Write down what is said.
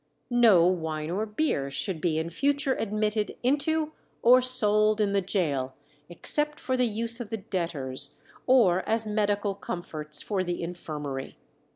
No wine or beer should be in future admitted into or sold in the gaol, except for the use of the debtors, or as medical comforts for the infirmary.